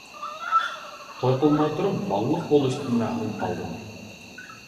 توي قىلماي تۇرۇپ بالىلىق بولۇشتىن مەھرۇم قالدىم.